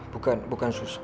bukan bukan sus